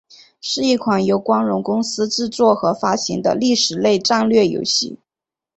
是一款由光荣公司制作和发行的历史类战略游戏。